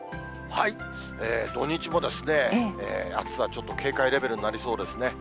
土日も暑さ、ちょっと警戒レベルになりそうですね。